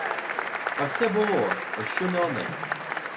Та все було, що не оне.